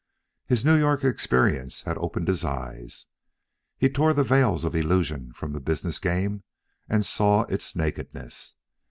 His New York experience had opened his eyes. He tore the veils of illusion from the business game, and saw its nakedness.